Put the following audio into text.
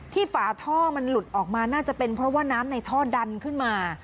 ฝาท่อมันหลุดออกมาน่าจะเป็นเพราะว่าน้ำในท่อดันขึ้นมา